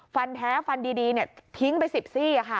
ฟันแท้ฟันดีเนี่ยทิ้งไปสิบสี่ค่ะ